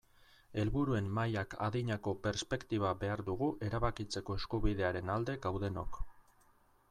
Helburuen mailak adinako perspektiba behar dugu erabakitzeko eskubidearen alde gaudenok.